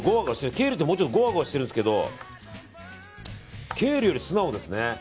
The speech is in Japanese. ケールってもうちょっとごわごわしているんですけどケールより素直ですね。